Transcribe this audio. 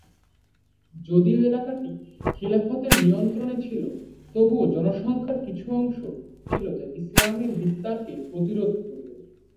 যদিও এলাকাটি খিলাফতের নিয়ন্ত্রণে ছিল, তবুও জনসংখ্যার কিছু অংশ ছিল যা ইসলামের বিস্তারকে প্রতিরোধ করবে।